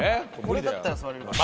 これだったら座れるかな？